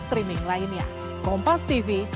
terima kasih yang mulia